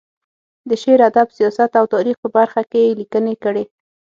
د شعر، ادب، سیاست او تاریخ په برخه کې یې لیکنې کړې.